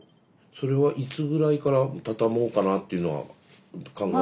それはいつぐらいから畳もうかなというのは考えてらしたんですか？